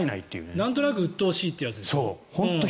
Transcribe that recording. なんとなくうっとうしいというやつね。